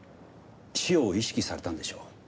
死を意識されたんでしょう。